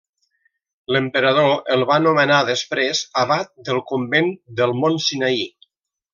L'emperador el va nomenar després abat del convent del Mont Sinaí.